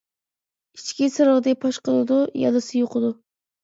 ئىچكى سىرىڭنى پاش قىلىدۇ، يالىسى يۇقىدۇ.